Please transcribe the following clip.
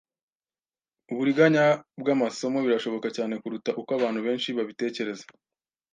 Uburiganya bwamasomo birashoboka cyane kuruta uko abantu benshi babitekereza.